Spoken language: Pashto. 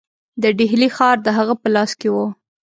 د ډهلي ښار د هغه په لاس کې وو.